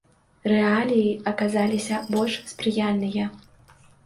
Рэаліі аказаліся больш спрыяльныя.